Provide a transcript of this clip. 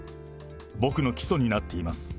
僕の基礎になっています。